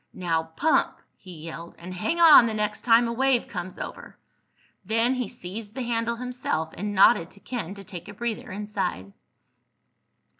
"Now pump!" he yelled. "And hang on the next time a wave comes over!" Then he seized the handle himself and nodded to Ken to take a breather inside.